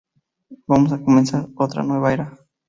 Vamos a comenzar otra nueva era.